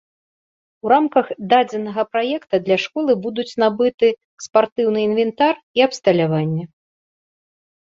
У рамках дадзенага праекта для школы будуць набыты спартыўны інвентар і абсталяванне.